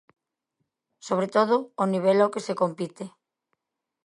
Sobre todo, o nivel ao que se compite.